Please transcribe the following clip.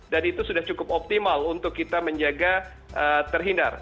dan itu sudah cukup optimal untuk kita menjaga terhindar